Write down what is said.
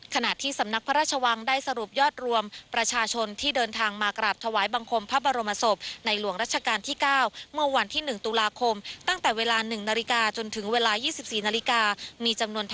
ขนาดที่สำนักพระราชวังได้สรุปยอดรวม